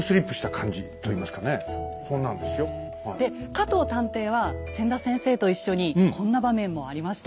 で加藤探偵は千田先生と一緒にこんな場面もありました。